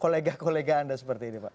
kolega kolega anda seperti ini pak